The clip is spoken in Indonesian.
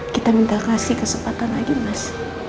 kita minta kasih kesempatan lagi mas